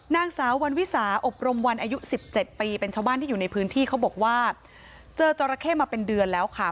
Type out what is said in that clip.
นางสาววันวิสาอบรมวันอายุ๑๗ปีเป็นชาวบ้านที่อยู่ในพื้นที่เขาบอกว่าเจอจราเข้มาเป็นเดือนแล้วค่ะ